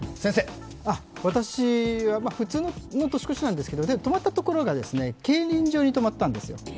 私は普通の年越しなんですけど、泊まったところが競輪場に泊まったんですよ。